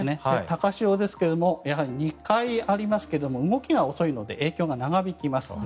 高潮ですがやはり２回ありますが動きが遅いので影響が長引きます。